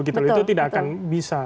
itu tidak akan bisa